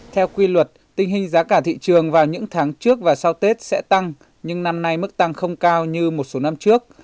theo quy luật tình hình giá cả thị trường vào những tháng trước và sau tết sẽ tăng nhưng năm nay mức tăng không cao như một số năm trước